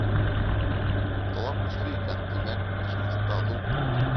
Талап көслө икән, тимәк, ышаныс та ҙур.